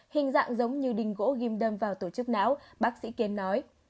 hình dạng giống như đinh gỗ ghim đâm vào tổ chức não bác sĩ kiên nói